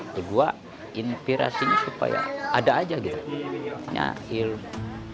kedua inspirasinya supaya ada aja gitu punya ilmu